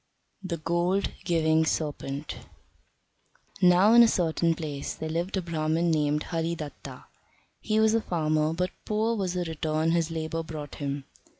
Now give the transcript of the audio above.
The Gold giving Serpent Now in a certain place there lived a Brahman named Haridatta. He was a farmer, but poor was the return his labour brought him.